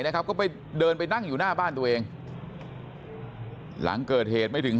นะครับก็ไปเดินไปนั่งอยู่หน้าบ้านตัวเองหลังเกิดเหตุไม่ถึง